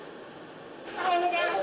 おはようございます。